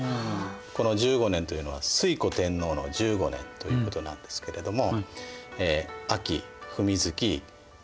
この「十五年」というのは推古天皇の１５年ということなんですけれども。